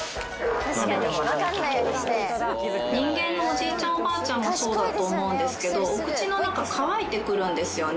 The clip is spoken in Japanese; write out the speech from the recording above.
人間のおじいちゃん、おばあちゃんもそうだと思うんですけど、お口の中、渇いてくるんですよね。